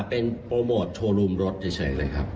เป็นโปรโมทโทรลูมรถเฉยเลยครับ